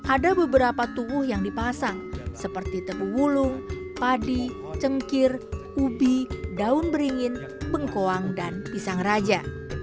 ada beberapa tubuh yang dipasang seperti tebu wulung padi cengkir ubi daun beringin bengkoang dan pisang raja